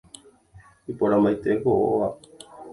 iporãmbaite ko óga